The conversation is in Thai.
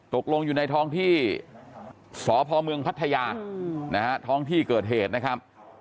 ตกลงอยู่ในท้องที่สพเมืองพัทยานะฮะท้องที่เกิดเหตุนะครับ